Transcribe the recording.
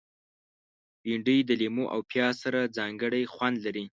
بېنډۍ د لیمو او پیاز سره ځانګړی خوند لري